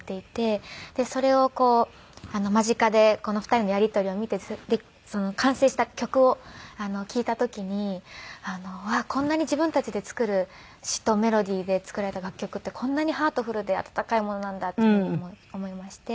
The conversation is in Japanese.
それを間近でこの２人のやり取りを見て完成した曲を聴いた時にこんなに自分たちで作る詞とメロディーで作られた楽曲ってこんなにハートフルで温かいものなんだって思いまして。